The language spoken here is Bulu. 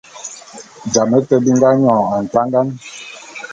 Jame te bi nga nyône ntangan.